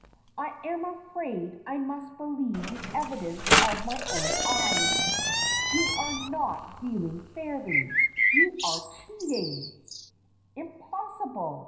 "I am afraid I must believe the evidence of my own eyes. You are not dealing fairly. You are cheating!" "Impossible!"